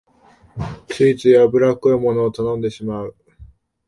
ついつい油っこいものを頼んでしまう